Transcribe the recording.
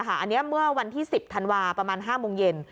อันนี้เมื่อวันที่๑๐ธันวาคประมาณ๕โมงเย็น